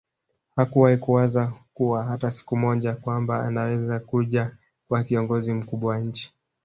Hakuwai kuwaza kuwa hata siku moja kwamba anaweza kuja kuwa kiongozi mkubwa wa nchi